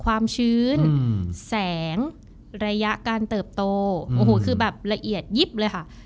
ความชื้นแสงระยะการเติบโตโอ้โหคือแบบละเอียดยิบเลยค่ะ